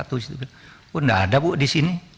oh enggak ada bu di sini